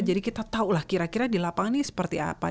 jadi kita tahulah kira kira di lapangan ini seperti apa ya